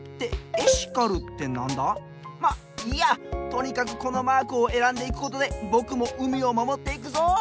とにかくこのマークをえらんでいくことでぼくも海をまもっていくぞ！